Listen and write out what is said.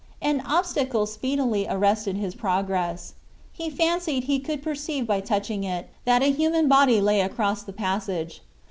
An obstacle speedily arrested his progress. He fancied he could perceive by touching it, that a human body lay across the passage.